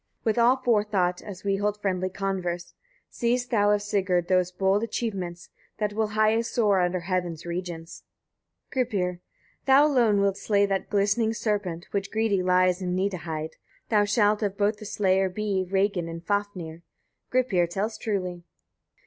with all forethought, as we hold friendly converse; seest thou of Sigurd those bold achievements, that will highest soar under heaven's regions?" Gripir. 11. Thou alone wilt slay that glistening serpent, which greedy lies on Gnitaheid; thou shalt of both the slayer be, Regin and Fafnir. Gripir tells truly.